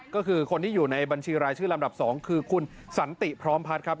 ก็คือคนที่อยู่ในบัญชีรายชื่อลำดับ๒คือคุณสันติพร้อมพัฒน์ครับ